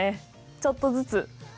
ちょっとずつ。